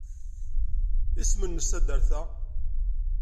Isem-nnes taddart-a?